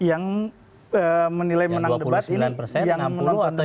yang menilai menang debat ini